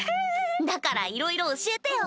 だからいろいろ教えてよ